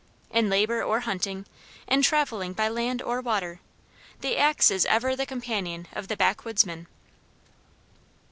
In labor or hunting, in traveling by land or water, the axe is ever the companion of the backwoodsman.